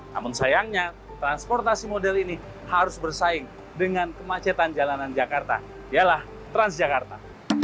namun sayangnya transportasi model ini harus bersaing dengan kemacetan jalanan jakarta ialah transjakarta